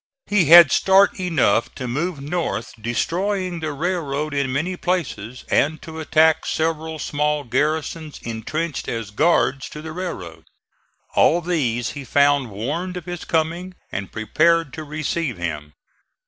He had start enough to move north destroying the railroad in many places, and to attack several small garrisons intrenched as guards to the railroad. All these he found warned of his coming and prepared to receive him.